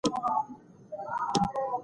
د خلکو رفتار یو تر بل ډېر توپیر لري.